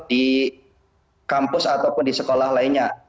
di kampus ataupun di sekolah lainnya